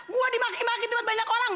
gue dimaki maki buat banyak orang